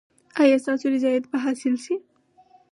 ایا ستاسو رضایت به حاصل شي؟